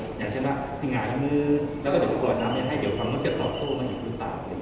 อย่างเช่นว่าถึงหายมือแล้วก็เดี๋ยวก็ตอบโต้มาอีกหรือเปล่า